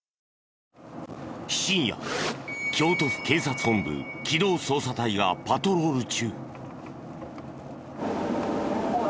深夜京都府警察本部機動捜査隊がパトロール中。